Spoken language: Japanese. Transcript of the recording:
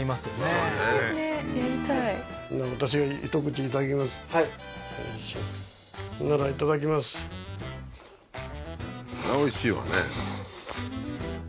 そらおいしいわね